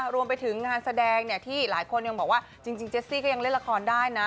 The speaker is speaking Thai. รวมไปถึงงานแสดงที่หลายคนยังบอกว่าจริงเจสซี่ก็ยังเล่นละครได้นะ